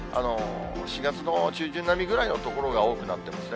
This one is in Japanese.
４月の中旬並みぐらいの所が多くなってますね。